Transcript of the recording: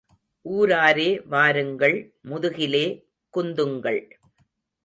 ஊராரே வாருங்கள் முதுகிலே குந்துங்கள்.